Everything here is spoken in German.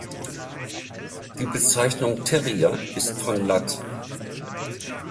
Die Bezeichnung Terrier ist von lat.